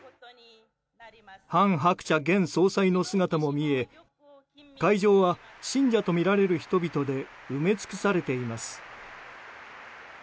韓鶴子現総裁の姿も見え会場は信者とみられる人々で埋め尽くされています。